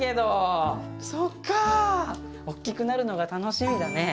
そっか大きくなるのが楽しみだね。